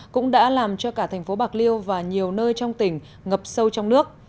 cũng đã làm cho cả thành phố bạc liêu và nhiều nơi trong tỉnh ngập sâu trong nước